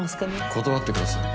断ってください。